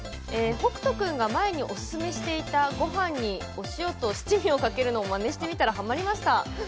北斗君が前におすすめしていたごはんにお塩と七味をかけるのをまねしたら、はまりました。